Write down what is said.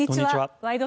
「ワイド！